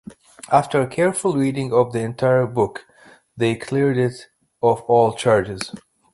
After "a careful reading of the entire book", they cleared it of all charges.